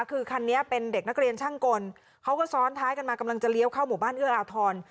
คือคันนี้เป็นเด็กนักเรียนช่างกลเขาก็ซ้อนท้ายกันมากำลังจะเลี้ยวเข้าหมู่บ้านเอื้ออาทร